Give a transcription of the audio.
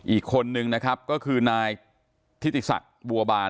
อีกคนนึงนะครับก็คือนายทฤษัตริย์บัวบาล